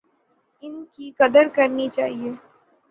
ان کی قدر کرنی چاہیے۔